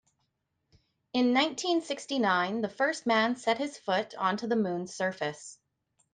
In nineteen-sixty-nine the first man set his foot onto the moon's surface.